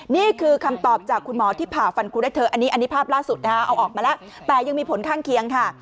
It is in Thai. นี่คือคำตอบจากคุณหมอที่ผ่าฟันครูได้เธออันนี้อันนี้ภาพล่าสุดนะคะเอาออกมาแล้วแต่ยังมีผลข้างเคียงค่ะ